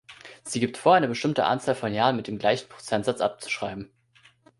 Sie gibt vor, eine bestimmte Anzahl von Jahren mit dem gleichen Prozentsatz abzuschreiben.